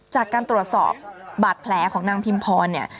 จากการตรวจสอบบาดแผลของนางพิมพรเนี่ย